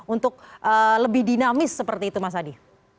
untuk lebih dinamis seperti itu mas adi